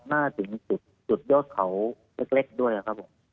หน้าถึงจุดยอดเขาเล็กด้วยครับผม